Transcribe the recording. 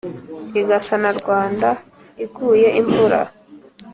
Igasa na Rwanda iguye imvura